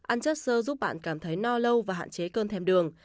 ăn chất sơ giúp bạn cảm thấy no lâu và hạn chế cơn thêm đường